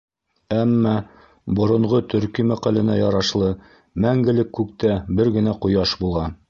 Әммә, боронғо төрки мәҡәленә ярашлы, мәңгелек күктә бер генә ҡояш була.